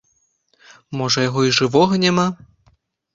Можа яго і жывога няма.